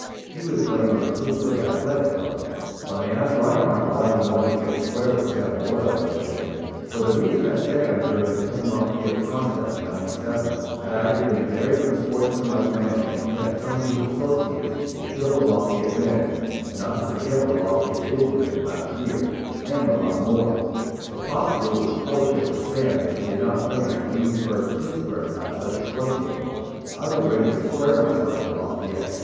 He was playing on the Pittsburgh Athletic Club." When I asked Rinehart why he wanted to get square with Sam Boyle, he said: "For the reason that Sam, during the Penn Lafayette contest in '97, had acted in a very unsportsmanlike manner and kept telling his associates to kill the Lafayette men and not to forget what Lafayette did to them last year, and a lot more, but possibly it was fortunate for Sam that he did not play in our Greensburg Pittsburgh Athletic Club game. I was ready to square myself for Lafayette."